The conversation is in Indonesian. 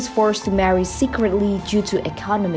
karena terdapat tekanan ekonomi